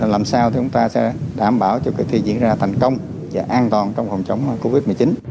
làm sao chúng ta sẽ đảm bảo cho kỳ thi diễn ra thành công và an toàn trong phòng chống covid một mươi chín